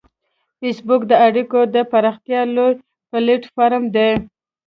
فېسبوک د اړیکو د پراختیا لوی پلیټ فارم دی